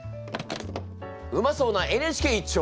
うまそうな「ＮＨＫ」一丁！